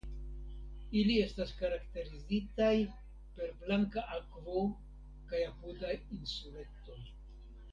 Ili estas karakterizitaj per blanka akvo kaj apudaj insuletoj.